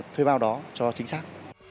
thuê bao đó cho chính xác